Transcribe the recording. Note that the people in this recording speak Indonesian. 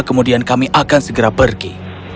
kemudian kami akan segera pergi